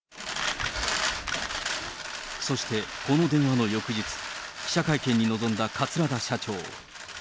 そして、この電話の翌日、記者会見に臨んだ桂田社長。